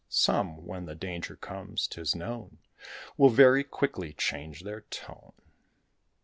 Some, when the danger comes, 'tis known, Will very quickly change their tone.